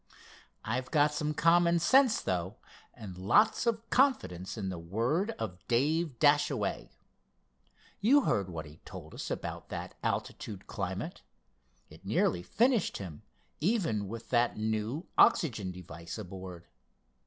"I've got some common sense, though, and lots of confidence in the word of Dave Dashaway. You heard what he told us about that altitude climate. It nearly finished him, even with that new oxygen device aboard.